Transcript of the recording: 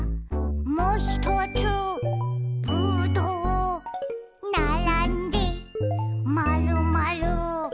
「もひとつぶどう」「ならんでまるまる」